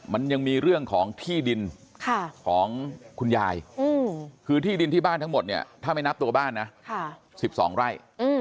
มันยังมีเรื่องของที่ดินของคุณยายคือที่ดินที่บ้านทั้งหมดเนี่ยถ้าไม่นับตัวบ้านนะ๑๒ไร่